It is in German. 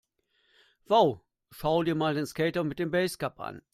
Wow, schau dir mal den Skater mit dem Basecap an!